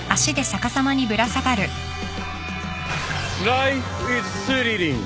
ライフイズスリリング！